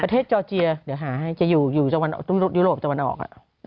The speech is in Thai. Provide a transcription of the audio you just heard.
ประเทศจอร์เจียเดี๋ยวหาให้จะอยู่อยู่ยุโรปจังหวัดออก